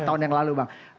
tahun yang lalu bang